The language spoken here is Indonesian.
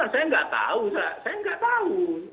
saya nggak tahu